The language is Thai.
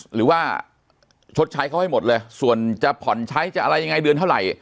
หรือว่าชดใช้เขาให้หมดเลยส่วนจะผ่อนใช้จะอะไรยังไงเดือนเท่าไหร่